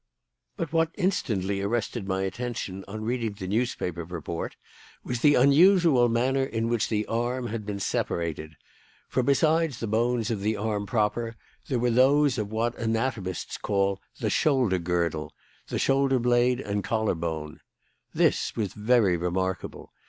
"But what instantly arrested my attention on reading the newspaper report was the unusual manner in which the arm had been separated; for, besides the bones of the arm proper, there were those of what anatomists call the 'shoulder girdle' the shoulder blade and collar bone. This was very remarkable.